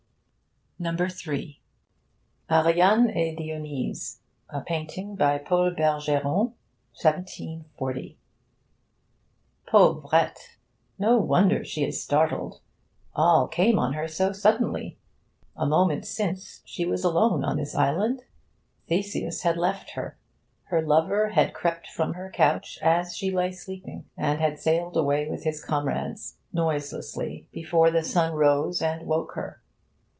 'ARIANE ET DIONYSE' A PAINTING BY PAUL BERGERON, 1740 PAUVRETTE! no wonder she is startled. All came on her so suddenly. A moment since, she was alone on this island. Theseus had left her. Her lover had crept from her couch as she lay sleeping, and had sailed away with his comrades, noiselessly, before the sun rose and woke her.